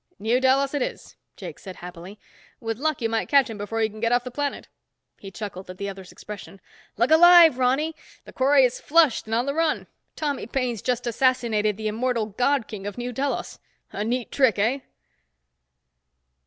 "New Delos it is," Jakes said happily. "With luck, you might catch him before he can get off the planet." He chuckled at the other's expression. "Look alive, Ronny! The quarry is flushed and on the run. Tommy Paine's just assassinated the Immortal God King of New Delos. A neat trick, eh?"